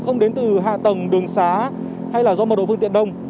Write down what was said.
không đến từ hạ tầng đường xá hay là do mật độ phương tiện đông